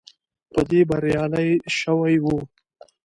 په دې بریالی شوی وو.